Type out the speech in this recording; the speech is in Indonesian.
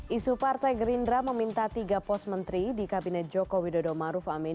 isu partai gerindra meminta tiga pos menteri di kabinet jokowi dodomaruf amin